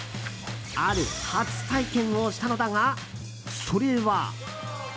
ある初体験をしたのだがそれは。